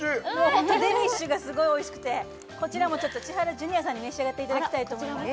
ホントデニッシュがすごいおいしくてこちらも千原ジュニアさんに召し上がっていただきたいと思います